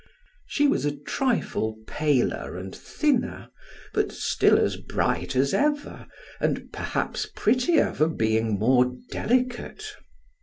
She was a trifle paler and thinner, but still as bright as ever, and perhaps prettier for being more delicate.